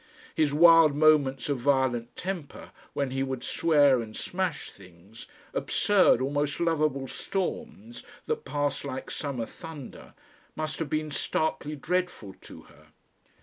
His wild moments of violent temper when he would swear and smash things, absurd almost lovable storms that passed like summer thunder, must have been starkly dreadful to her.